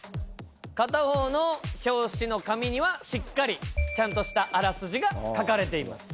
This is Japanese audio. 片方の表紙の紙にはしっかりちゃんとしたあらすじが書かれています。